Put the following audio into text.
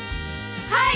はい！